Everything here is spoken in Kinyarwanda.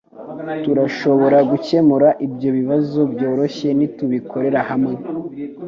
Turashobora gukemura ibyo bibazo byoroshye nitubikorera hamwe.